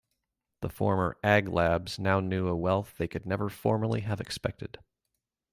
The former "Ag Labs" now knew a wealth they could never formerly have expected.